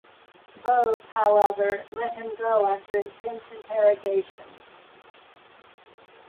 Both, however, let him go after intense interrogation.